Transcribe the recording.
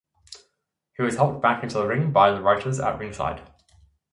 He was helped back into the ring by the writers at ringside.